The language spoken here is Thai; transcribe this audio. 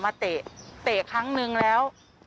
เตะเตะครั้งนึงแล้ว